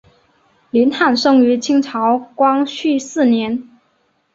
林翰生于清朝光绪四年。